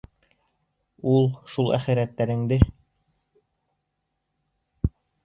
Ух, шул әхирәттәреңде!